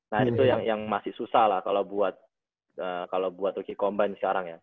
nah itu yang masih susah lah kalau buat rookie combine sekarang ya